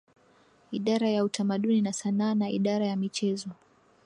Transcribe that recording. Idara ya Utamaduni na Sanaa na Idara ya Michezo